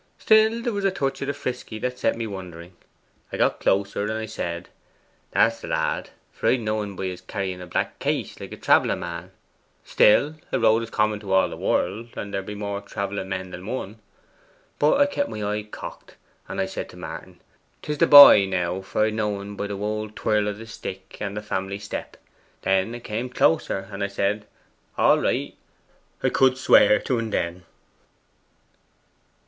Still there was a touch o' the frisky that set me wondering. 'A got closer, and I said, "That's the lad, for I d' know en by his carrying a black case like a travelling man." Still, a road is common to all the world, and there be more travelling men than one. But I kept my eye cocked, and I said to Martin, "'Tis the boy, now, for I d' know en by the wold twirl o' the stick and the family step." Then 'a come closer, and a' said, "All right." I could swear to en then.